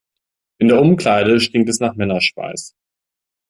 In der Umkleide stinkt es nach Männerschweiß.